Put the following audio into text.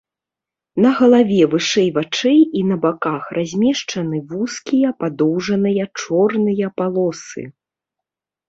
На галаве вышэй вачэй і на баках размешчаны вузкія падоўжныя чорныя палосы.